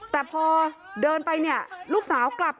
แต่พอเดินไปเนี่ยลูกสาวกลับ